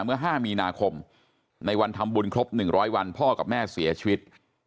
เมื่อ๕มีนาคมในวันทำบุญครบ๑๐๐วันพ่อกับแม่เสียชีวิต